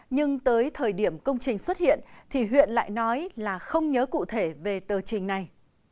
nhưng tới thời điểm công trình xuất hiện thì huyện lại nói là không nhớ cụ thể về tờ trình này